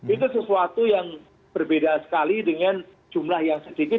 itu sesuatu yang berbeda sekali dengan jumlah yang sedikit